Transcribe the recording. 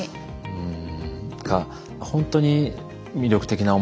うん。